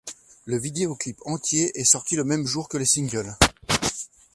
Le vidéoclip entier est sorti le même jour que le single.